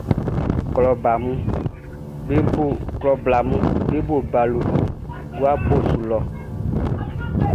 Klɔ blaʼm be bo balo guabo su lɔ.